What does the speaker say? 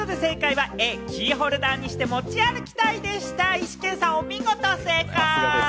イシケンさん、お見事、正解！